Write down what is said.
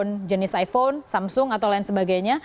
jangan lupa anda menggunakan iphone samsung atau lain sebagainya